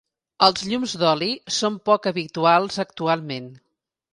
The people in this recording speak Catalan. Els llums d'oli són poc habituals actualment.